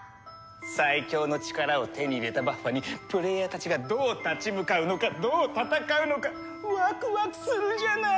最強の力を手に入れたバッファにプレイヤーたちがどう立ち向かうのかどう戦うのかワクワクするじゃない！